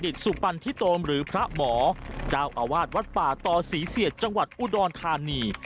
เจ้าวาดวัดป่าตอเสียทจังหวัดอุดรธานี